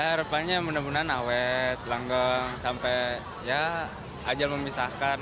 ya harapannya benar benar nawet langgeng sampai ya ajal memisahkan